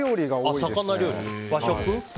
和食？